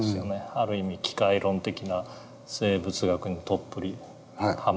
ある意味機械論的な生物学にどっぷりハマって。